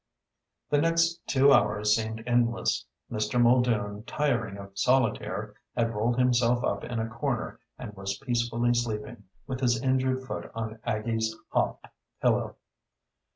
The next two hours seemed endless. Mr. Muldoon, tiring of solitaire, had rolled himself up in a corner and was peacefully sleeping, with his injured foot on Aggie's hop pillow.